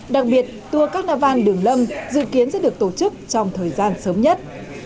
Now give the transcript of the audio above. đặc biệt tour carnival đường lâm dự kiến sẽ được tổ chức trong thời gian sớm nhất